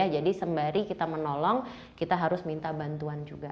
jadi sembari kita menolong kita harus minta bantuan juga